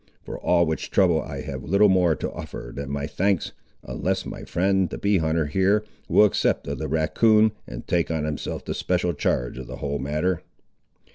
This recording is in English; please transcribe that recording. For all which trouble I have little more to offer than my thanks, unless my friend, the bee hunter here, will accept of the racoon, and take on himself the special charge of the whole matter."